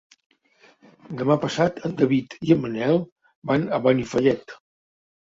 Demà passat en David i en Manel van a Benifallet.